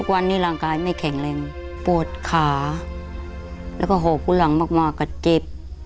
วันนี้ร่างกายไม่แข็งแรงปวดขาแล้วก็หอกผู้หลังมากก็เจ็บ